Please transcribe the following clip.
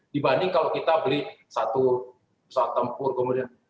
dibanding kalau kita beli satu pesawat tempur kemudian